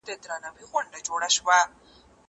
زه به سبا مېوې راټولې کړم!؟